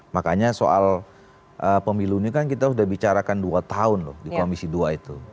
makanya soal pemilu ini kan kita sudah bicarakan dua tahun loh di komisi dua itu